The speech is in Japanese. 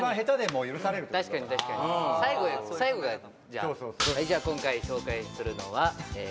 じゃあ今回紹介するのはえ